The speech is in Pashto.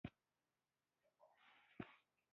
زموږ هېواد وال بېلابېل دینونه منونکي وو.